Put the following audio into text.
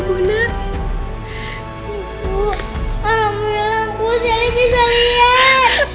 bu alhamdulillah bu celi bisa lihat